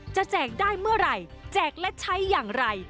แจกได้เมื่อไหร่แจกและใช้อย่างไร